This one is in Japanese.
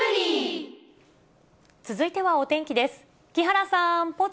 続いてはお天気です。